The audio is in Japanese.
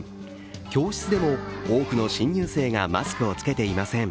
教室でも多くの新入生がマスクをつけていません。